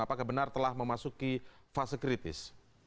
apakah benar telah memasuki fase kritis